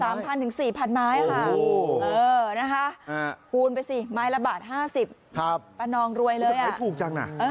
๓๐๐๐๔๐๐๐ไม้ค่ะปูนไปสิไม้ละบาท๕๐ป้านองรวยเลยอ่ะ